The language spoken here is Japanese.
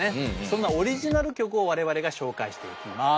そんなオリジナル曲を我々が紹介していきます。